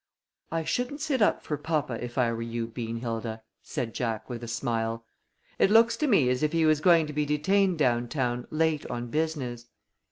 "I shouldn't sit up for papa if I were you, Beanhilda," said Jack, with a smile. "It looks to me as if he was going to be detained down town late on business."